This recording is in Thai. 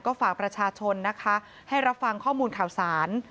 ก็ฝากประชาชนนะคะให้รับฟังข้อมูลข่าวสาร